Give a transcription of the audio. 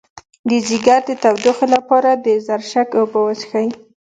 د ځیګر د تودوخې لپاره د زرشک اوبه وڅښئ